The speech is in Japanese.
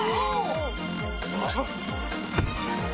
うわっ！